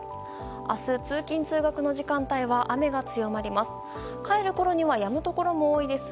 明日、通勤・通学の時間帯は雨が強まります。